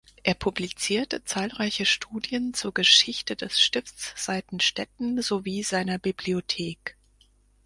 Er publizierte zahlreiche Studien zur Geschichte des Stifts Seitenstetten sowie seiner Bibliothek.